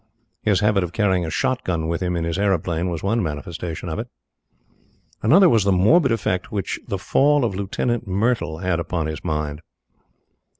His habit of carrying a shot gun with him in his aeroplane was one manifestation of it. Another was the morbid effect which the fall of Lieutenant Myrtle had upon his mind.